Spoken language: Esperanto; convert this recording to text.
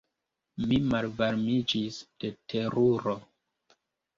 Mi malvarmiĝis de teruro.